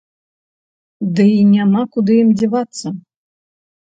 Дый няма куды ім дзявацца.